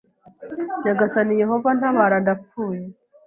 Nyagasani Yehova ntabara ndapfuye